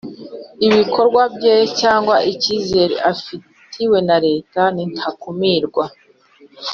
ibikorwa bye cyangwa icyizere afitiwe na leta nintakumirwa